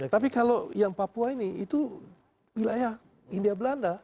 tapi kalau yang papua ini itu wilayah india belanda